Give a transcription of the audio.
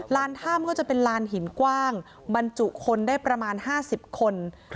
ลานถ้ำก็จะเป็นลานหินก่างบรรจุคนได้ประมาณห้าสิบคน